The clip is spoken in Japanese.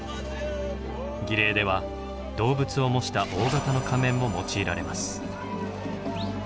儀礼では動物を模した大型の仮面も用いられます。